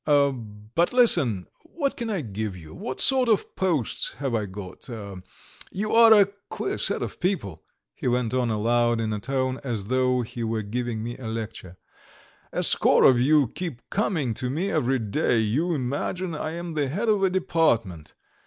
"But listen, what can I give you? What sort of posts have I got? You are a queer set of people!" he went on aloud in a tone as though he were giving me a lecture. "A score of you keep coming to me every day; you imagine I am the head of a department!